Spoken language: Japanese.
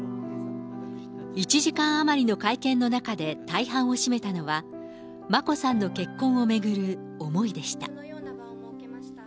１時間余りの会見の中で大半を占めたのは、眞子さんの結婚を巡る思いでした。